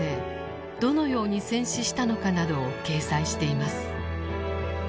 どのように戦死したのかなどを掲載しています。